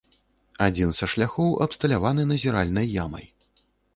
Адзін са шляхоў абсталяваны назіральнай ямай.